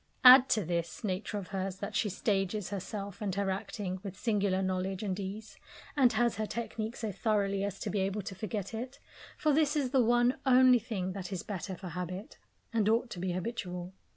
Add to this nature of hers that she stages herself and her acting with singular knowledge and ease, and has her technique so thoroughly as to be able to forget it for this is the one only thing that is the better for habit, and ought to be habitual.